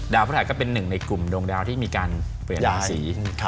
พระหัสก็เป็นหนึ่งในกลุ่มดวงดาวที่มีการเปลี่ยนราศี